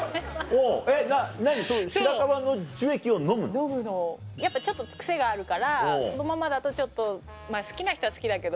飲むのやっぱちょっと癖があるからそのままだとちょっとまぁ好きな人は好きだけど。